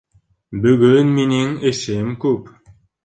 Бөгөн минең эшем күп